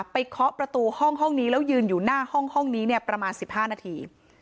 ไปเคาะประตูห้องห้องนี้แล้วยืนอยู่หน้าห้องห้องนี้เนี่ยประมาณสิบห้านาที